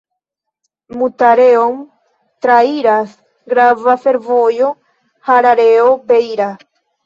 Mutare-on trairas grava fervojo Harareo-Beira.